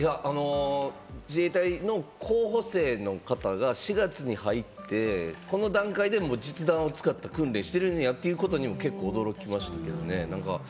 自衛隊の候補生の方が４月に入って、この段階で実弾を使った訓練をしてるんやということにも結構、驚きましたけどね。